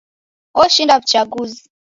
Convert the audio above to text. Oshinda w'uchaguzi.